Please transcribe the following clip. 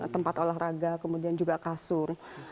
tempat olahraga kemudian juga kasur